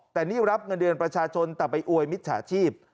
แต่นี่รับเงินเดือนประชาชนแต่ไปอวยมิจฉาชีพ